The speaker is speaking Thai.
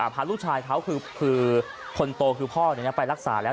พาลูกชายเขาคือคนโตคือพ่อไปรักษาแล้ว